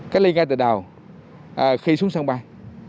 cách ly ngay từ đầu khi xuống sân bay